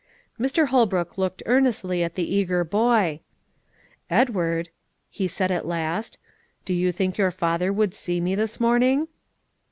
Mr. Holbrook looked earnestly at the eager boy. "Edward," he said at last, "do you think your father would see me this morning?"